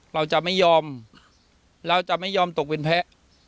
เราจะไม่ยอมตกเป็นแพ้